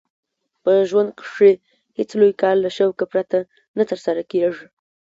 په ژوند کښي هېڅ لوى کار له شوقه پرته نه ترسره کېږي.